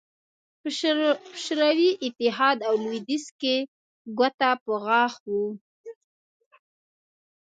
په شوروي اتحاد او لوېدیځ کې ګوته په غاښ وو